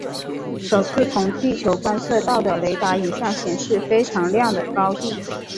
首次从地球观测到的雷达影像显示非常亮的高地。